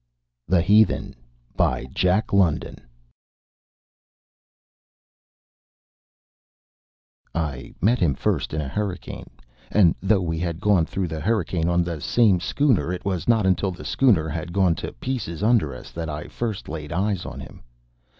THE HEATHEN I met him first in a hurricane; and though we had gone through the hurricane on the same schooner, it was not until the schooner had gone to pieces under us that I first laid eyes on him.